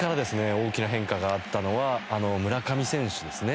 大きな変化があったのは村上選手ですね。